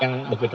yang buku itu